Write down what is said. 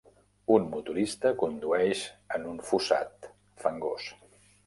Un motorista condueix en un fossat fangós.